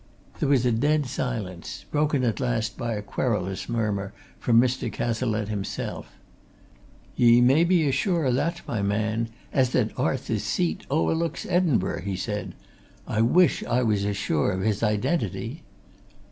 There was a dead silence broken at last by a querulous murmur from Mr. Cazalette himself. "Ye may be as sure o' that, my man, as that Arthur's Seat o'erlooks Edinbro'!" he said. "I wish I was as sure o' his identity!"